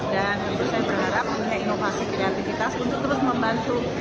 dan itu saya berharap dengan inovasi kreativitas untuk terus membantu